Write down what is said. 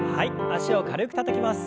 脚を軽くたたきます。